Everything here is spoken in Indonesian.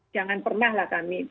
jangan pernah lah kami